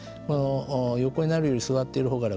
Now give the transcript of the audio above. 横になるより座っている方が楽。